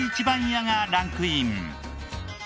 番屋がランクイン。